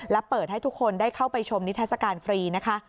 และเปิดให้ทุกคนได้เข้าไปชมนิทัศกาลฟรีนะคะ